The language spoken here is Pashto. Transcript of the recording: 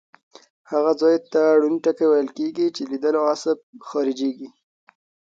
هغه ځای ته ړوند ټکی ویل کیږي چې لیدلو عصب خارجیږي.